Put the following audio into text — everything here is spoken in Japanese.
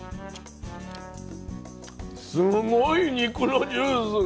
すごい肉のジュースが。